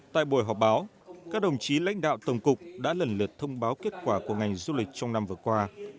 tại buổi họp báo các đồng chí lãnh đạo tổng cục đã lần lượt thông báo kết quả của ngành du lịch trong năm vừa qua